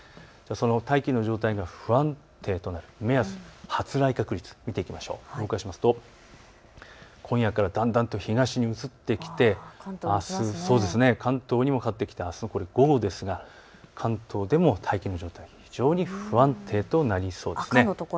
大気の状態が不安定になる発雷確率を見ていくと今夜からだんだんと東へ移ってきてあす関東にもかかってきてあすの午後、関東でも大気の状態が非常に不安定となりそうです。